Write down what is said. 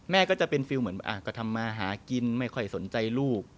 แม่ก็จะเป็นฟิลเหมือนก็ทำมาหากินไม่ค่อยสนใจลูก